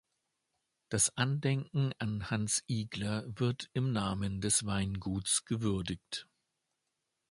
Das Andenken an Hans Igler wird im Namen des Weinguts gewürdigt.